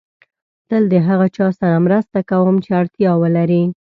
تل د هغه چا سره مرسته کوم چې اړتیا ولري.